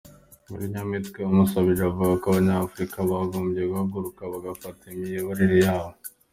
Willy Nyamitwe yamusubije avuga ko abanyafrika bagombye guhaguruka bagafata imiyoborere yabo.